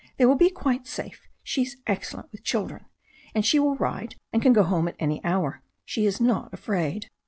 They will be quite safe. She's excellent with children. And she will ride, and can go home at any hour. She is not afraid."